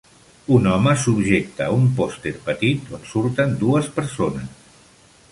Un home subjecta un pòster petit on surten dues persones.